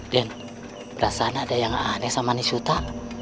den rasanya ada yang aneh sama nisuta